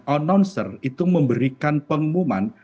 announcer itu memberikan pengumuman